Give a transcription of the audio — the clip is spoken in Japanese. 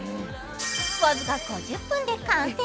僅か５０分で完成。